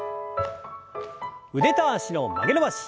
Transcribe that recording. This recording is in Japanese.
腕と脚の曲げ伸ばし。